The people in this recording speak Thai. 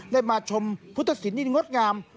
ได้มาชมพุทธศิลปินงดงาม